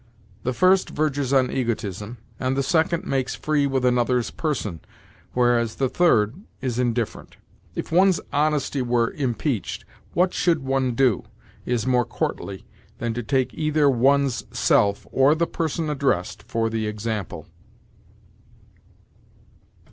The first verges on egotism, and the second makes free with another's person, whereas the third is indifferent. "If one's honesty were impeached, what should one do?" is more courtly than to take either one's self or the person addressed for the example.